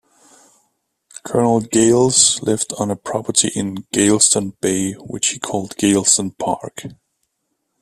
Colonel Geils lived on property in Geilston Bay which he called "Geilston Park".